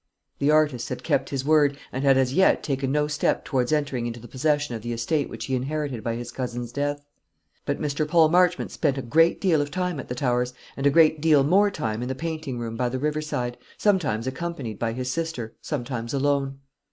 The artist had kept his word, and had as yet taken no step towards entering into possession of the estate which he inherited by his cousin's death. But Mr. Paul Marchmont spent a great deal of time at the Towers, and a great deal more time in the painting room by the river side, sometimes accompanied by his sister, sometimes alone.